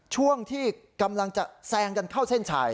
ช่วงที่กำลังจะแซงกันเข้าเส้นชัย